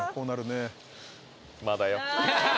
まだよ